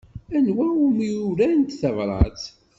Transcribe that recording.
Anwa umi urant tabṛat?